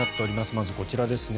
まず、こちらですね。